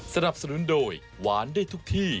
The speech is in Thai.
สนับสนุนโดยหวานได้ทุกที่